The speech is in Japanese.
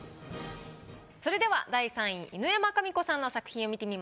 それでは第３位犬山紙子さんの作品を見てみましょう。